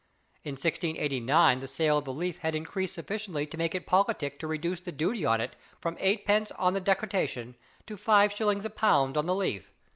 By 1689 the sale of the leaf had increased sufficiently to make it politic to reduce the duty on it from eight pence on the decoction to five shillings a pound on the leaf.